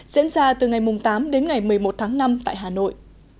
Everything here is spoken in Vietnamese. diễn ra từ ngày tám đến ngày một mươi một tháng năm tại hà nội